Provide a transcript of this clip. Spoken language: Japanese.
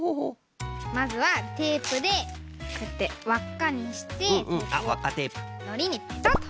まずはテープでこうやってわっかにしてのりにペタッ。